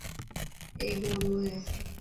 اي گهوڙو هي.